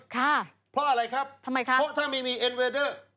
ค่ะเพราะอะไรครับทำไมคะเพราะถ้าไม่มีเอ็นเวดเดอร์